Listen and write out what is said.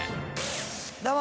どうも。